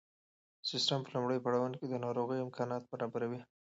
سیسټم په لومړیو پړاوونو کې د ناروغۍ امکانات برابروي.